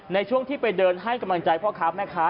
ในช่วงที่ไปเดินให้กำลังใจพ่อค้าแม่ค้า